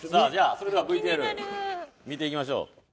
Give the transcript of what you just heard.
それではＶＴＲ見ていきましょう。